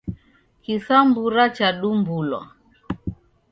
Kisambura chadumbulwa.